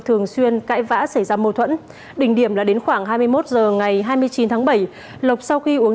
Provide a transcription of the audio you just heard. thường xuyên cãi vã xảy ra mâu thuẫn đỉnh điểm là đến khoảng hai mươi một h ngày hai mươi chín tháng bảy lộc sau khi uống